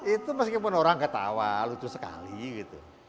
itu meskipun orang ketawa lucu sekali gitu